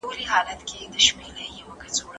حقوق الله په موږ پور دي.